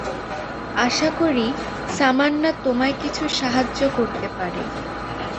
আশা করি, সামান্না তোমায় কিছু সাহায্য করতে পারে।